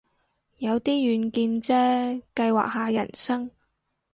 有啲遠見啫，計劃下人生